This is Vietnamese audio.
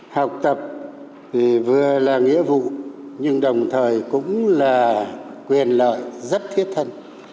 học tập thì vừa là nghĩa vụ nhưng đồng thời cũng là quyền lợi rất thiết thân